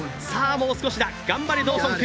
もう少しだ、頑張れ、ドーソン君。